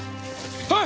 はい！？